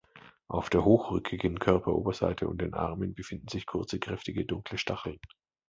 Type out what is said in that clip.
Auf der hochrückigen Körperoberseite und den Armen befinden sich kurze, kräftige, dunkle Stacheln.